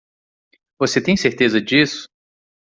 Você tem certeza disso?